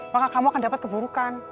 maka kamu akan dapat keburukan